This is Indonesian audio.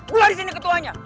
gue disini ketuanya